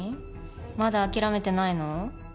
まだ諦めてないの？